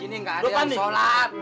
disini gak ada yang sholat